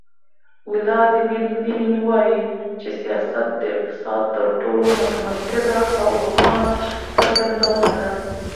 ولادیمیر لینین وایي چې سیاست د اقتصاد تر ټولو متمرکزه او روښانه څرګندونه ده.